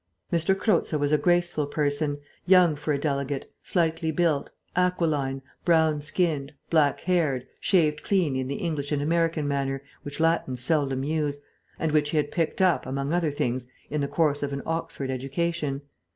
M. Croza was a graceful person, young for a delegate, slightly built, aquiline, brown skinned, black haired, shaved clean in the English and American manner, which Latins seldom use, and which he had picked up, among other things, in the course of an Oxford education.